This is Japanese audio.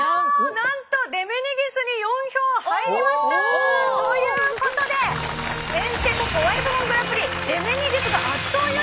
なんとデメニギスに４票入りました！ということでへんてこコワい部門グランプリデメニギスが圧倒優勝です！